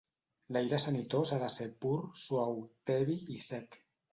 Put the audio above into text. L'aire sanitós ha de ser pur, suau, tebi i sec.